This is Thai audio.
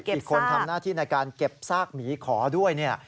อีกคนทำหน้าที่ในการเก็บซากหมีขอด้วยเนี่ย